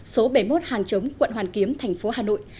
số bảy mươi một hàng chống quận hoàn kiếm tp hà nội